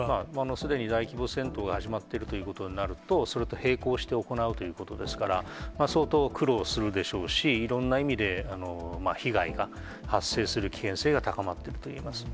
すでに大規模戦闘が始まっているということになると、それと並行して行うということですから、相当苦労するでしょうし、いろんな意味で、被害が発生する危険性が高まっているといえます。